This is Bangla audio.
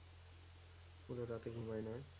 ওরা রাতে ঘুমায় না।